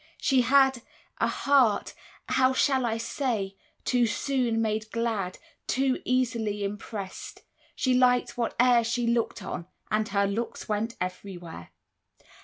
She had A heart how shall I say too soon made glad, Too easily impressed; she liked whate'er She looked on, and her looks went everywhere.